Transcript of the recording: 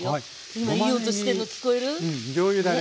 今いい音してるの聞こえる？